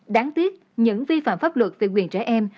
đáng tiếc những vi phạm pháp luật về quyền trẻ em